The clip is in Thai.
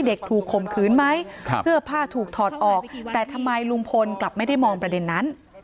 ถูกข่มขืนไหมเสื้อผ้าถูกถอดออกแต่ทำไมลุงพลกลับไม่ได้มองประเด็นนั้น